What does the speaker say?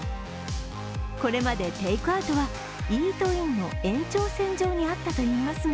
これまでテイクアウトはイートインの延長線上にあったといいますが